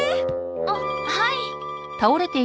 あっはい。